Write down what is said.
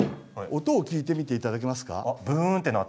音を聴いてみていただけますか？